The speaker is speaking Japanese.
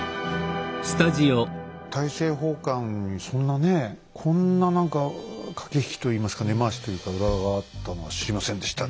大政奉還にそんなねこんな何か駆け引きといいますか根回しというか裏があったのは知りませんでしたね。